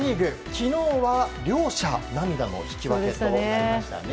昨日は両者涙の引き分けとなっていましたね。